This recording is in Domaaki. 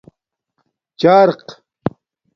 چَرق